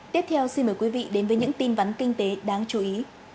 tiếp theo xin mời quý vị đến với những tin vắn kinh tế đáng chú ý